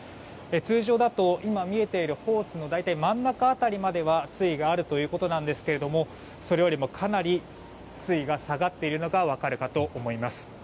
通常だと今見えているホースの大体真ん中辺りまでは水位があるということですがそれよりも、かなり水位が下がっているのが分かるかと思います。